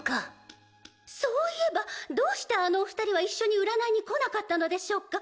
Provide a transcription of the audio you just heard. そういえばどうしてあのお二人は一緒に占いに来なかったのでしょうか？